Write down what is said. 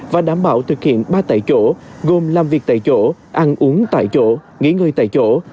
và đảm bảo thực hiện ba tại chỗ gồm làm việc tại chỗ ăn uống tại chỗ nghỉ ngơi tại chỗ